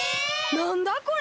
なんだこれ！？